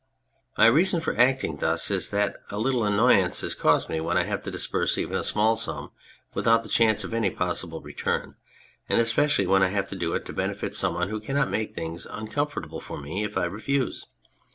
Mjr reason for acting thus is that a little annoyance is caused me when I have to disbui se even a small sum without the chance of any possible return, and especially when I have to do it to benefit some one who cannot make things uncomfortable for me if I refuse.